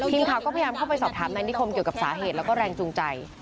ทีมข่าวก็พยายามเข้าไปสอบถามนายนิคมเกี่ยวกับสาเหตุแล้วก็แรงจูงใจ